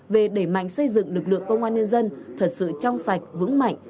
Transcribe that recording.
về đẩy mạnh xây dựng lực lượng công an nhân dân thật sự trong sạch vững mạnh